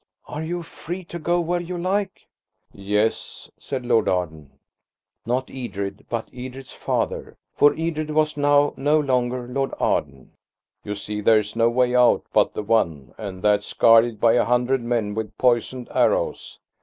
"Are you free to go where you like?" "Yes," said Lord Arden–not Edred, but Edred's father, for Edred was now no longer Lord Arden. "You see there's no way out but the one, and that's guarded by a hundred men with poisoned arrows."